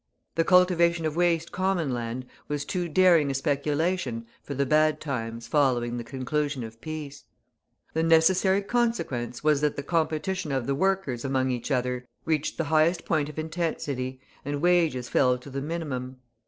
The cultivation of waste common land was too daring a speculation for the bad times following the conclusion of peace. The necessary consequence was that the competition of the workers among each other reached the highest point of intensity, and wages fell to the minimum.